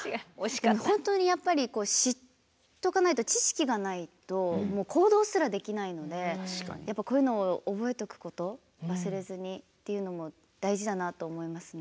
でも本当にやっぱり知っとかないと知識がないと行動すらできないのでやっぱこういうのを覚えておくこと忘れずにっていうのも大事だなと思いますね。